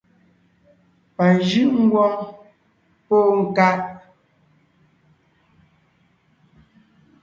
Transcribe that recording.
Pà jʉ́’ ńgwóŋ póo ńká.